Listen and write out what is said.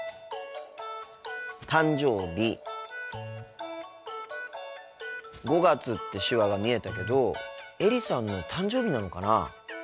「誕生日」「５月」って手話が見えたけどエリさんの誕生日なのかな？